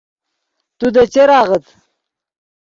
تو دے چر آغت